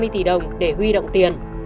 một mươi ba mươi tỷ đồng để huy động tiền